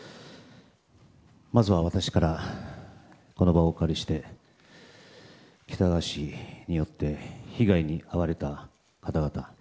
まずは私からこの場をお借りして喜多川氏によって被害に遭われた方々